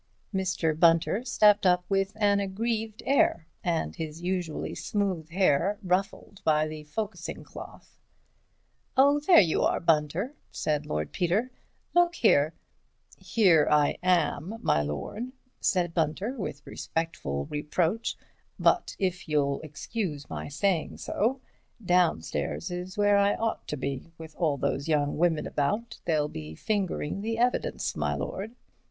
Mr. Bunter stepped up with an aggrieved air, and his usually smooth hair ruffled by the focussing cloth. "Oh, there you are, Bunter," said Lord Peter; "look here—" "Here I am, my lord," said Mr. Bunter, with respectful reproach, "but if you'll excuse me saying so, downstairs is where I ought to be, with all those young women about—they'll be fingering the evidence, my lord."